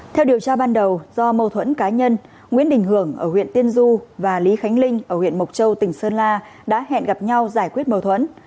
theo điều tra ban đầu do mâu thuẫn cá nhân nguyễn đình hưởng ở huyện tiên du và lý khánh linh ở huyện mộc châu tỉnh sơn la đã hẹn gặp nhau giải quyết mâu thuẫn